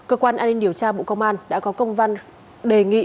cơ quan an ninh điều tra bộ công an đã có công văn đề nghị